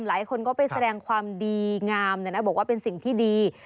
หลายคนก็ไปแสดงความดีงามบอกว่าเป็นสิ่งที่ดี